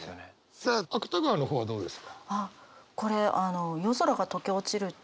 さあ芥川の方はどうですか？